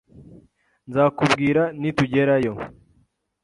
Nzakubwira nitugerayo.